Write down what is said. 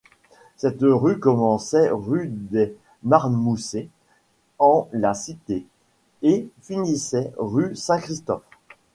Cette rue commençait rue des Marmousets-en-la-Cité et finissait rue Saint-Christophe.